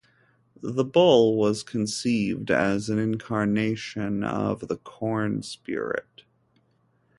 The bull was conceived as an incarnation of the corn spirit.